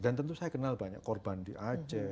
dan tentu saya kenal banyak korban di aceh